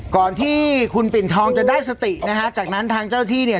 ก่อนที่คุณปิ่นทองจะได้สตินะฮะจากนั้นทางเจ้าที่เนี่ย